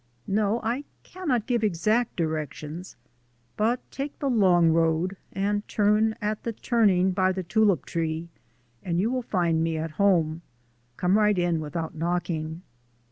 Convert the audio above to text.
"No; I cannot give exact directions. But take the Long Road and turn at the turning by the tulip tree, and you will find me at home. Come right in without knocking."